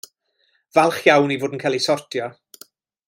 Falch iawn ei fod yn cael ei sortio.